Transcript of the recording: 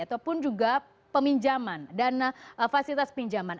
ataupun juga peminjaman dana fasilitas pinjaman